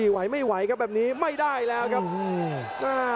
ไหวไม่ไหวครับแบบนี้ไม่ได้แล้วครับอืมอ่า